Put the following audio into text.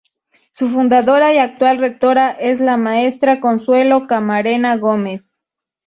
Su fundadora y actual Rectora, es la Maestra Consuelo Camarena Gómez.